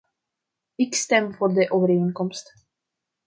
Ik stem voor de overeenkomst.